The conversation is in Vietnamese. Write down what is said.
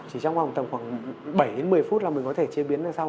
chỉ trong khoảng bảy đến một mươi phút là mình có thể chế biến ra xong